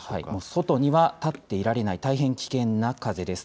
外には立っていられない大変危険な風です。